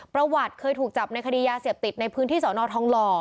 ประวัติเคยถูกจับในคดียาเสพติดในพื้นที่สอนอทองหล่อ